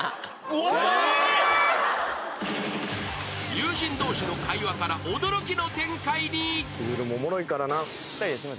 ［友人同士の会話から驚きの展開に］